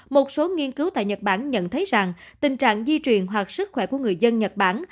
một số nghiên cứu tại nhật bản nhận thấy rằng tình trạng di truyền hoặc sức khỏe của người dân nhật bản